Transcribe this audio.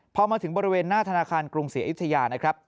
พอมาถึงบริเวณหน้าธนาคารกรุงศรีอยุธยานะครับ